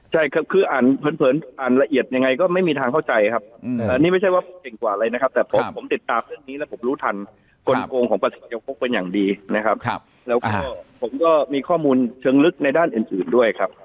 ใช่ครับคืออ่านเผินอ่านละเอียดยังไงก็ไม่มีทางเข้าใจครับอันนี้ไม่ใช่ว่าเก่งกว่าอะไรนะครับแต่ผมติดตามเรื่องนี้แล้วผมรู้ทันกลงของประสิทธิยกเป็นอย่างดีนะครับแล้วก็ผมก็มีข้อมูลเชิงลึกในด้านอื่นด้วยครับ